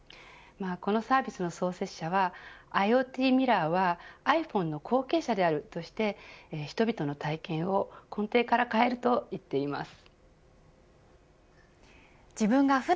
このサービスの創始者はＩｏＴミラーはｉＰｈｏｎｅの後継者であるとして人々の体験を根底から変えると言っています。